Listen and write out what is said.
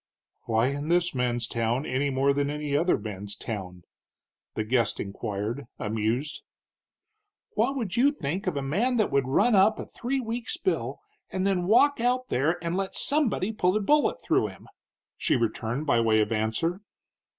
"Why in this man's town, any more than any other man's town?" the guest inquired, amused. "What would you think of a man that would run up a three weeks' bill and then walk out there and let somebody put a bullet through him?" she returned by way of answer.